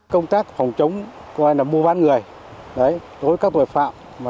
công tác phòng chống mua bán người đối với các tội phạm